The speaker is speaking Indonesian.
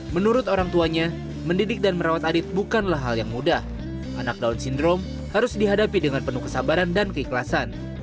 menurut orang tuanya mendidik dan merawat adit bukanlah hal yang mudah anak down syndrome harus dihadapi dengan penuh kesabaran dan keikhlasan